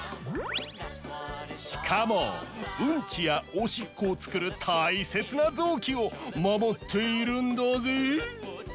しかもウンチやオシッコをつくるたいせつなぞうきをまもっているんだぜ！